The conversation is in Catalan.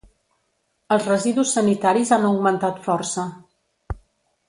Els residus sanitaris han augmentat força.